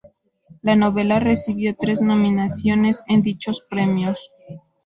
La novela recibió tres nominaciones en dichos premios.